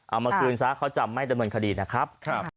เอามาคืนซะเขาจะไม่ดำเนินคดีนะครับ